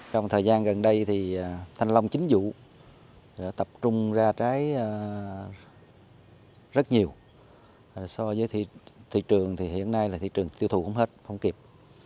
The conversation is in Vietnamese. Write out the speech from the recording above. trong thời gian gần đây thì thanh long chính vụ tập trung ra trái rất nhiều so với thị trường thì hiện nay là thị trường tiêu thụ cũng hết không kịp